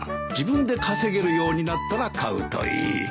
自分で稼げるようになったら買うといい。